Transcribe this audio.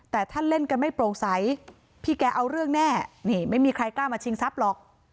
แต่ถ้าเล่นกันไม่โปร่งใสพี่แกเอาเรื่องแน่นี่ไม่มีใครกล้ามาชิงทรัพย์หรอก